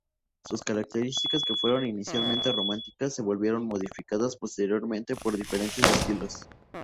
Sus características que fueron inicialmente románicas se vieron modificadas posteriormente por diferentes estilos.